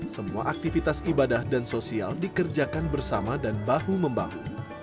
semua aktivitas ibadah dan sosial dikerjakan bersama dan bahu membahu